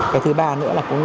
cái thứ ba nữa là